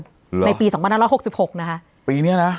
อืมในปีสองพันห้าร้อยหกสิบหกนะคะปีเนี้ยนะ